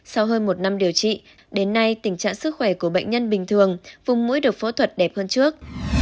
sau hơn một năm điều trị đến nay tình trạng sức khỏe của bệnh nhân bình thường vùng mũi được phẫu thuật đẹp hơn trước